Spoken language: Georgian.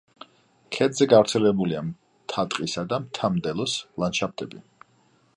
ქედზე გავრცელებულია მთა-ტყისა და მთა-მდელოს ლანდშაფტები.